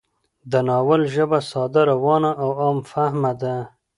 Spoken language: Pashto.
د ناول ژبه ساده، روانه او عام فهمه ده